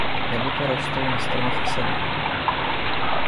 Jablka rostou na stromech v sadu.